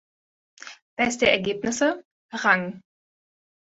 Beste Ergebnisse: Rang.